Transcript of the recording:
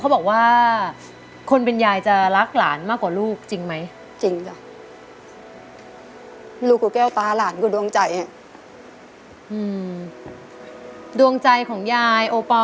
มากอดยายไหมขึ้นมากอดยายไหมมา